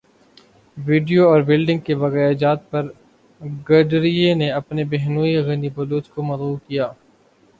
video اور welding کے بقایاجات پر گڈریے نے اپنے بہنوئی غنی بلوچ کو مدعو کیا